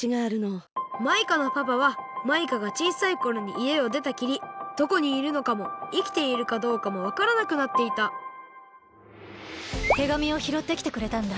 マイカのパパはマイカがちいさいころにいえをでたきりどこにいるのかもいきているかどうかもわからなくなっていた手紙をひろってきてくれたんだ。